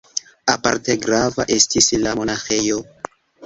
Aparte grava estis la monaĥejo.